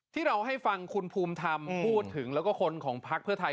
ที่เราให้ฟังคุณภูมิธรรมพูดถึงแล้วก็คนของพักเพื่อไทย